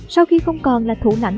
sau khi không còn là thủ nảnh